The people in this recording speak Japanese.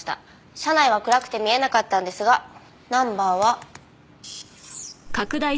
車内は暗くて見えなかったんですがナンバーは。